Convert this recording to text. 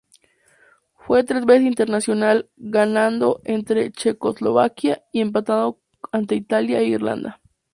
Fue tres veces internacional, ganando ante Checoslovaquia y empatando ante Italia e Irlanda.